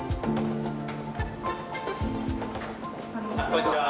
こんにちは。